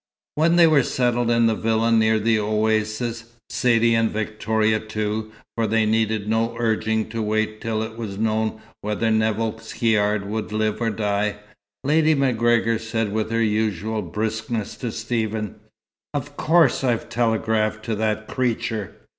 When they were settled in the villa near the oasis (Saidee and Victoria too, for they needed no urging to wait till it was known whether Nevill Caird would live or die) Lady MacGregor said with her usual briskness to Stephen: "Of course I've telegraphed to that creature."